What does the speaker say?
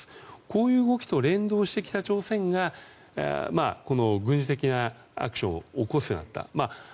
こういう動きと連動して北朝鮮が軍事的なアクションを起こすようになった。